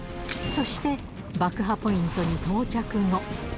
そして爆破ポイントに到着後。